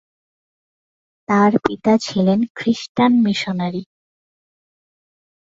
তার পিতা ছিলেন খৃষ্টান মিশনারী।